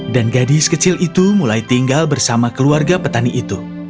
dan gadis kecil itu mulai tinggal bersama keluarga petani itu